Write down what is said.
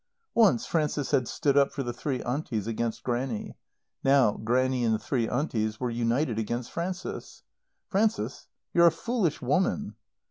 Once Frances had stood up for the three Aunties, against Grannie; now Grannie and the three Aunties were united against Frances. "Frances, you're a foolish woman."